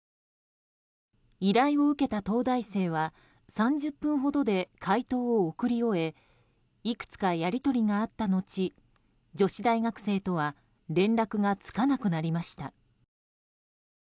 依頼を受けた東大生は３０分ほどで解答を送り終えいくつかやり取りがあったのち女子大学生とは連絡がつかなくなりました。